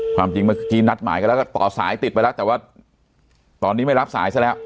ความจริงเมื่อกี้นัดหมายกันแล้วก็ต่อสายติดไปแล้วแต่ว่าตอนนี้ไม่รับสายซะแล้ว